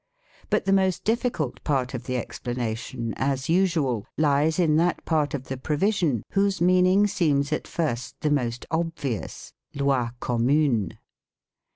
But the most difficult part of the explanation as usual lies in that part of the provision whose meaning seems at first the most obvious "lay commune".